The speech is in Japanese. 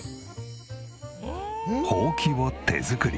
ほうきを手作り。